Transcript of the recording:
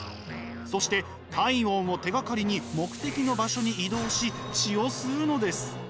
そして体温を手がかりに目的の場所に移動し血を吸うのです。